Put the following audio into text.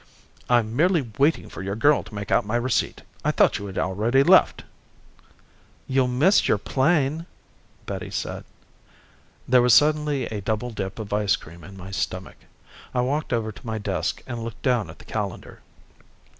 "I'm merely waiting for your girl to make out my receipt. I thought you had already left." "You'll miss your plane," Betty said. There was suddenly a double dip of ice cream in my stomach. I walked over to my desk and looked down at the calendar. Mr.